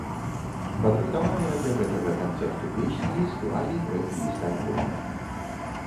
Падрыхтаваныя для гэтага канцэрту песні і склалі трэк-ліст альбома.